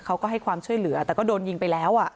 เขาก็ให้ความช่วยเหลือแต่ก็โดนยิงไปแล้ว